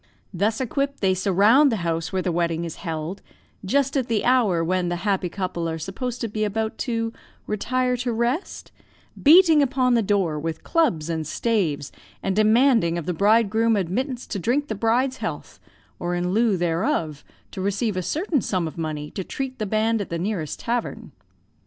Thus equipped, they surround the house where the wedding is held, just at the hour when the happy couple are supposed to be about to retire to rest beating upon the door with clubs and staves, and demanding of the bridegroom admittance to drink the bride's health, or in lieu there of to receive a certain sum of money to treat the band at the nearest tavern.